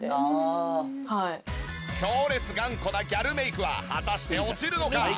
強烈頑固なギャルメイクは果たして落ちるのか？